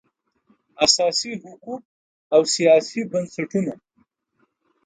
اساسي حقوق او سیاسي بنسټونه